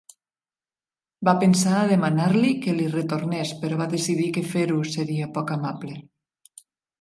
Va pensar a demanar-li que li retornés, però va decidir que fer-ho seria poc amable.